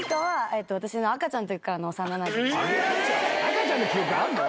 赤ちゃん⁉赤ちゃんの記憶あんの？